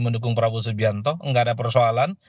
mendukung prabowo subianto nggak ada persoalan